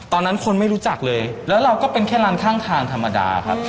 ตอนนั้นคนไม่รู้จักเลยแล้วเราก็เป็นแค่ร้านข้างทางธรรมดาครับ